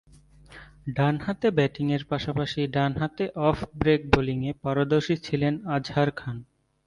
ডানহাতে ব্যাটিংয়ের পাশাপাশি ডানহাতে অফ ব্রেক বোলিংয়ে পারদর্শী ছিলেন আজহার খান।